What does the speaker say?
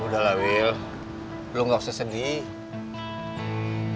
udah lah wil lo gak usah sedih